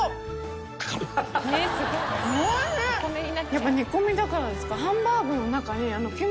やっぱ煮込みだからですか？